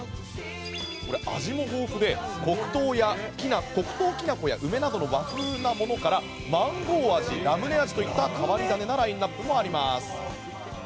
味も豊富で黒糖きなこや梅などの和風なものからマンゴー味やラムネ味といった変わり種なラインアップもあります。